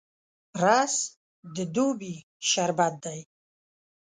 رس د دوبي شربت دی